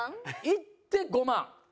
いって５万？